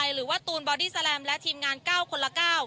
หรือว่าตูนบอดี้แลมและทีมงาน๙คนละ๙